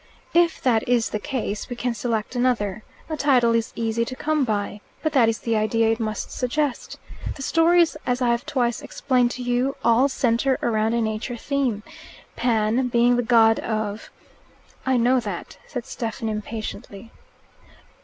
"If that is the case, we can select another. A title is easy to come by. But that is the idea it must suggest. The stories, as I have twice explained to you, all centre round a Nature theme. Pan, being the god of " "I know that," said Stephen impatiently.